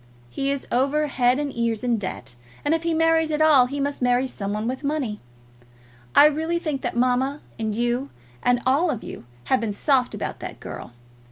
He is over head and ears in debt, and if he marries at all, he must marry some one with money. I really think that mamma, and you, and all of you have been soft about that girl.